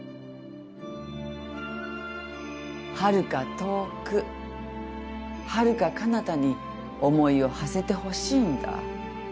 はるか遠くはるかかなたに思いをはせてほしいんだ。